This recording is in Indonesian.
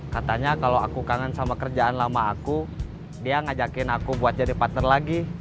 katanya kalau aku kangen sama kerjaan lama aku dia ngajakin aku buat jadi partner lagi